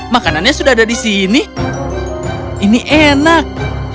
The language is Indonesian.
makanannya sudah ada di sini ini enak